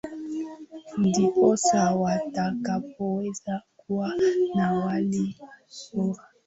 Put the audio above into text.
ndiposa watakapoweza kuwa na hali bora